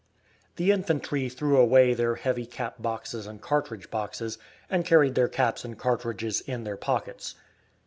The infantry threw away their heavy cap boxes and cartridge boxes, and carried their caps and cartridges in their pockets.